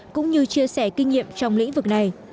cũng như chia sẻ kinh nghiệm trong lĩnh vực này